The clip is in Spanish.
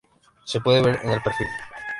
Se puede ver en el perfil.